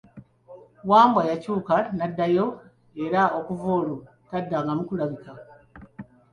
Wambwa yakyuka n'addayo era okuva olwo taddangamu kulabikako.